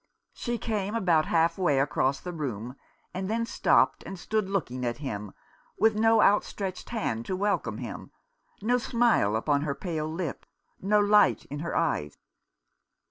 She came about half way across the room, and then stopped and stood looking at him, with no outstretched hand to welcome him, no smile upon her pale lips, no light in her eyes.